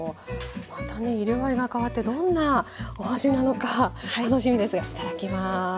またね色合いが変わってどんなお味なのか楽しみですがいただきます。